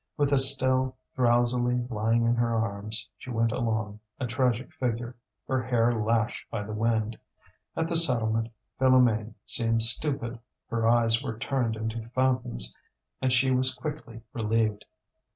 With Estelle drowsily lying in her arms, she went along, a tragic figure, her hair lashed by the wind. At the settlement Philoméne seemed stupid; her eyes were turned into fountains and she was quickly relieved.